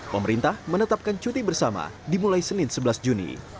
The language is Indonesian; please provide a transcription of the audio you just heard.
pemerintah menetapkan cuti bersama dimulai senin sebelas juni